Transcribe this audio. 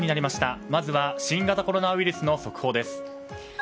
まずは新型コロナウイルスの速報です。